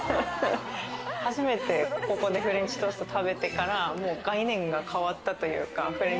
初めてここでフレンチトーストを食べてからもう概念が変わったというか。